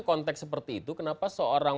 konteks seperti itu kenapa seorang